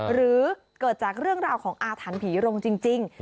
หรือเกิดจากเรื่องราวของอาถรรพ์ผีลงจริง